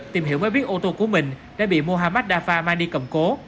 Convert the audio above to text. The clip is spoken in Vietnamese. tìm hiểu mới biết ô tô của mình đã bị muhammad dafa mang đi cầm cố